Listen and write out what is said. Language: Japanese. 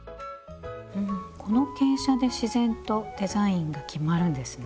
この傾斜で自然とデザインが決まるんですね。